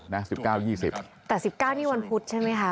๑๙๒๐แต่๑๙นี่วันพุธใช่ไหมคะ